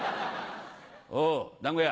「おぉ団子屋」